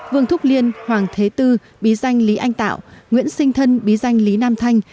vương thúc liên hoàng thế tư bí danh lý anh tạo nguyễn sinh thân bí danh lý nam thanh